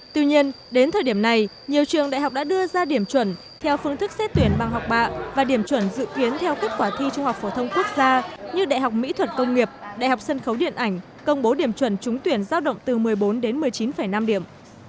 tuy nhiên đến thời điểm này nhiều trường đại học đã đưa ra điểm chuẩn theo phương thức xét tuyển bằng học bạ và điểm chuẩn dự kiến theo kết quả thi trung học phổ thông quốc gia như đại học mỹ thuật công nghiệp đại học sân khấu điện ảnh công bố điểm chuẩn trúng tuyển giao động từ một mươi bốn đến một mươi chín năm điểm